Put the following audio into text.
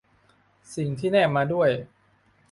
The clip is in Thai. สิ่งที่แนบมาด้วย